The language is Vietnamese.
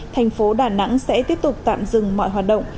thành phố đà nẵng sẽ tiếp tục tạm dừng mọi hoạt động